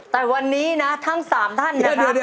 แต่วันนี้นะทั้ง๓ท่านเนี่ย